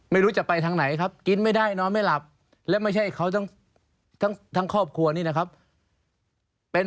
ไม่รู้จะไปทางไหน